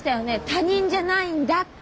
他人じゃないんだって。